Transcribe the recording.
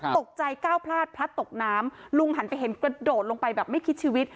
ก้าวพลาดพลัดตกน้ำลุงหันไปเห็นกระโดดลงไปแบบไม่คิดชีวิต